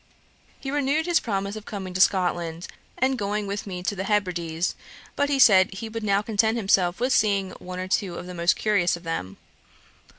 He renewed his promise of coming to Scotland, and going with me to the Hebrides, but said he would now content himself with seeing one or two of the most curious of them.